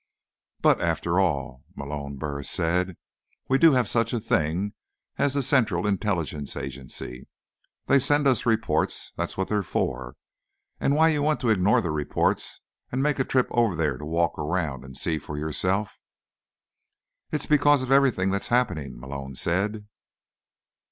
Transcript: "But, after all, Malone," Burris said, "we do have such a thing as the Central Intelligence Agency. They send us reports. That's what they're for. And why you want to ignore the reports and make a trip over there to walk around and see for yourself—" "It's because of everything that's happening," Malone said.